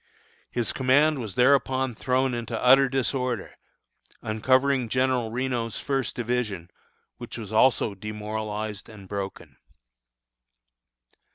His command was thereupon thrown into utter disorder, uncovering General Reno's First division, which was also demoralized and broken.